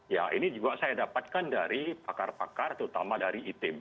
ya ini juga saya dapatkan dari pakar pakar terutama dari itb